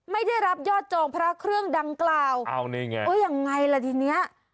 ไม่ได้รับยอดจองพระเครื่องดังกล่าวยังไงล่ะทีนี้